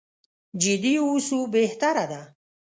جدي واوسو بهتره ده.